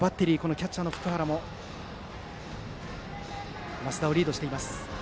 キャッチャーの福原も升田をリードしています。